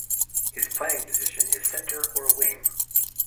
His playing position is centre or wing.